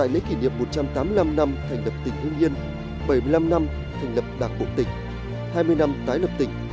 năm một nghìn chín trăm tám mươi năm thành lập tỉnh hưng yên một nghìn chín trăm bảy mươi năm thành lập đảng bộ tỉnh hai mươi năm tái lập tỉnh